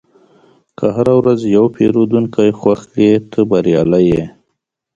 که هره ورځ یو پیرودونکی خوښ کړې، ته بریالی یې.